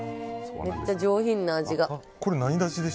めっちゃ上品な味が。